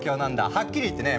はっきり言ってね